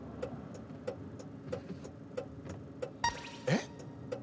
えっ？